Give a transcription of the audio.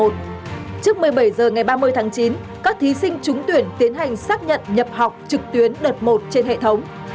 trước một mươi bảy h ngày ba mươi tháng chín các thí sinh trúng tuyển tiến hành xác nhận nhập học trực tuyến đợt một trên hệ thống